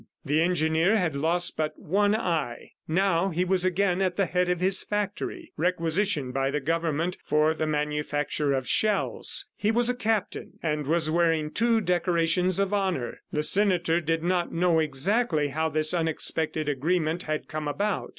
The engineer had lost but one eye. Now he was again at the head of his factory requisitioned by the government for the manufacture of shells. He was a Captain, and was wearing two decorations of honor. The senator did not know exactly how this unexpected agreement had come about.